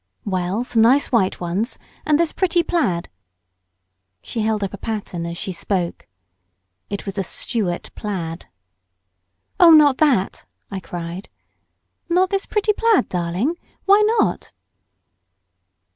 "Well, some nice white ones, and this pretty plaid." She held up a pattern as she spoke. It was a Stuart plaid. "Oh, not that!" I cried. "Not this pretty plaid, darling? Why not?"